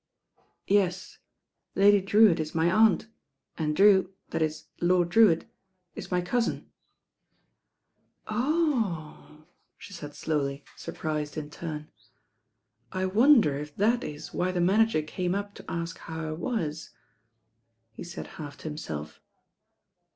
. T^*^ J^^^ Drewitt it my aunt, and Drew, that It, Lord Drewitt, it my coutin," •'Oooooohl" the taid tlowly, turprited in turn. I wonder if that it why the manager came up to atk how I wat," he taid half to himtelf.